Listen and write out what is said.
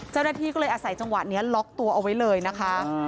เจ้าหน้าที่ก็เลยอาศัยจังหวะนี้ล็อกตัวเอาไว้เลยนะคะ